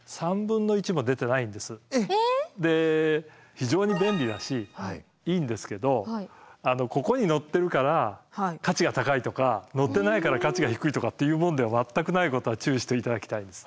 非常に便利だしいいんですけどここに載っているから価値が高いとか載っていないから価値が低いとかっていうものでは全くないことは注意して頂きたいです。